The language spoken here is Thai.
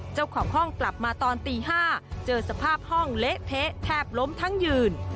เจ้าของห้องกลับมาตอนตี๕เจอสภาพห้องเละเทะแทบล้มทั้งยืน